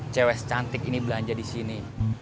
cewek secantik ini belanja di sini